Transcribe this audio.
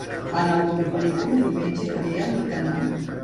Fan alguna pel·lícula diumenge que ve a l'Ateneu?